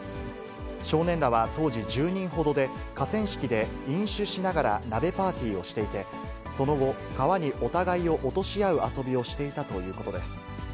少年らは当時１０人ほどで、河川敷で飲酒しながら鍋パーティーをしていて、その後、川にお互いを落とし合う遊びをしていたということです。